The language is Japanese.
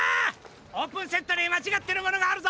オープンセットにまちがってるものがあるぞ！